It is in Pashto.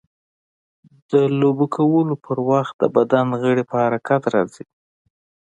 د لوبو کولو په وخت د بدن غړي په حرکت راځي.